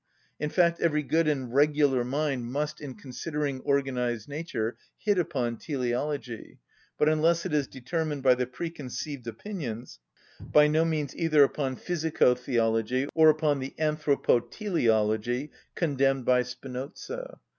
In fact, every good and regular mind must, in considering organised nature, hit upon teleology, but unless it is determined by the preconceived opinions, by no means either upon physico‐theology or upon the anthropo‐teleology condemned by Spinoza.